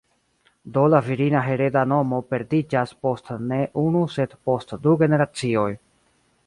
Do la virina hereda nomo perdiĝas post ne unu sed post du generacioj.